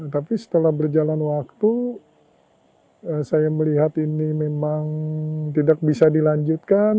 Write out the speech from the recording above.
tapi setelah berjalan waktu saya melihat ini memang tidak bisa dilanjutkan